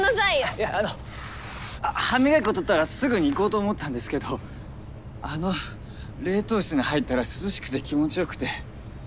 いやあの歯磨き粉取ったらすぐに行こうと思ったんですけどあの冷凍室に入ったら涼しくて気持ちよくて。